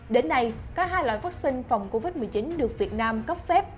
đến nay có hai loại vắc xin phòng covid một mươi chín được việt nam cấp phép